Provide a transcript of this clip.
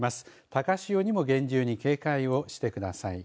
高潮にも厳重に警戒をしてください。